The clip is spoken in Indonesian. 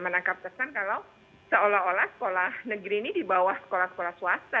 menangkap kesan kalau seolah olah sekolah negeri ini di bawah sekolah sekolah swasta